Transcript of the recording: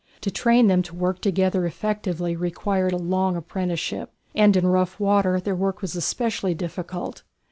To train them to work together effectively required a long apprenticeship, and in rough water their work was especially difficult.